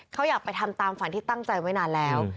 เขาอยากไปทำตามฝันที่ตั้งใจไว้นานแล้ว